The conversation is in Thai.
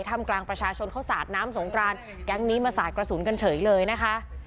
ทำกลางประชาชนเขาสาดน้ำสงกรานแก๊งนี้มาสาดกระสุนกันเฉยเลยนะคะ